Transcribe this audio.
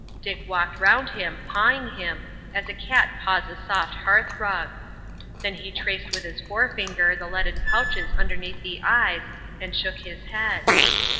Dick walked round him, pawing him, as a cat paws a soft hearth rug. Then he traced with his forefinger the leaden pouches underneath the eyes, and shook his head.